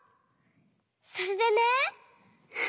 それでね。